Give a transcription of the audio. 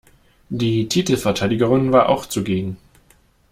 Die Titelverteidigerin war auch zugegen.